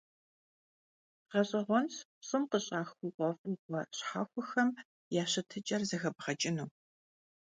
Ğeş'eğuenş ş'ım khış'ax xhuğuef'ığue şhexuexem ya şıtıç'exer zexebğeç'ınu.